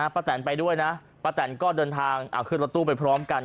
แตนไปด้วยนะป้าแตนก็เดินทางขึ้นรถตู้ไปพร้อมกัน